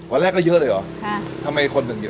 วันแรกก็เยอะเลยหรอ